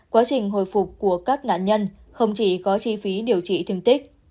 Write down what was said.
quá trình hồi phục của các nạn nhân không chỉ có chi phí điều trị thương tích